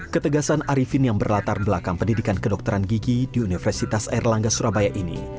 ketegasan arifin yang berlatar belakang pendidikan kedokteran gigi di universitas airlangga surabaya ini